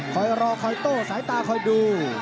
คอยรอคอยโต้สายตาคอยดู